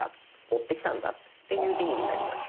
持ってきたんだっていう意味になります。